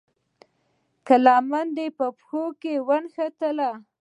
که لمنه دې پښو کې ونښته.